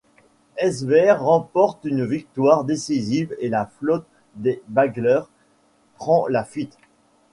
Sverre remporte une victoire décisive et la flotte des Bagler prend la fuite.